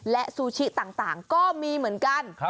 และซูชิต่างก็มีเหมือนกัน